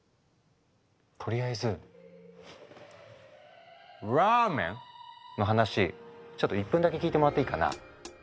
とりあえず「ＲＡＭＥＮ」の話ちょっと１分だけ聞いてもらっていいかな。